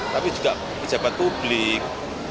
tapi juga pejabat publik